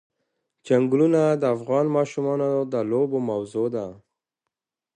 چنګلونه د افغان ماشومانو د لوبو موضوع ده.